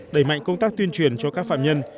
đẩy mạnh công tác tuyên truyền cho các phạm nhân